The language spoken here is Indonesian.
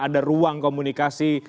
ada ruang komunikasi